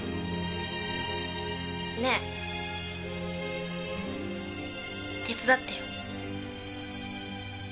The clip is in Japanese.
ねえ手伝ってよ。